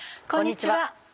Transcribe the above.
こんにちは。